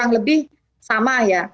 yang lebih sama ya